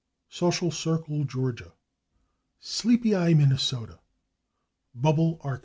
/Social Circle/, Ga., /Sleepy Eye/, Minn., /Bubble/, Ark.